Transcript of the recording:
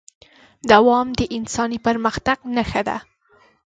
دوام د انساني پرمختګ نښه ده.